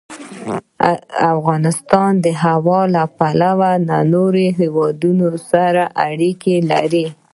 افغانستان د هوا له پلوه له نورو هېوادونو سره اړیکې لري.